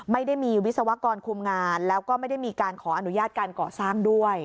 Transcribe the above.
ไม่ได้มีวิศวกรคุมงานแล้วก็ไม่ได้มีการขออนุญาตการก่อสร้างด้วย